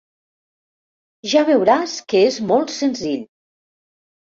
Ja veuràs que és molt senzill.